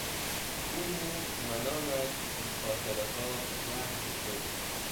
او مرد و نامش از خاطرهها محو شد.